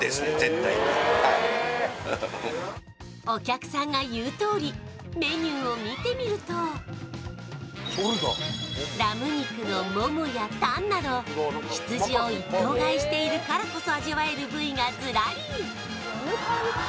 お客さんが言うとおりメニューを見てみるとラム肉のモモやタンなど羊を一頭買いしているからこそ味わえる部位がズラリ